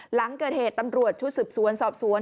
หลังเกิดเหตุตำรวจชุดสืบสวนสอบสวน